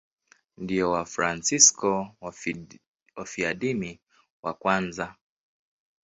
Ndio Wafransisko wafiadini wa kwanza.